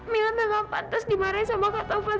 mila memang pantas dimarahin sama ketuhan